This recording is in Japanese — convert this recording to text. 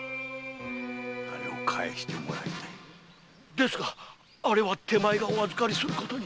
ですがあれは手前がお預かりすることに。